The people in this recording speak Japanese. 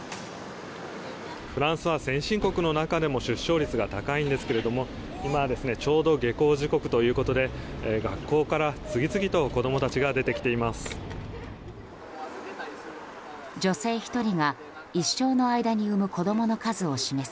フランスは先進国の中でも出生率が高いんですが今ちょうど下校時刻ということで学校から次々と子供たちが出てきています。